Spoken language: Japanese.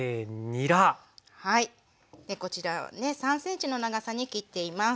こちらね３ｃｍの長さに切っています。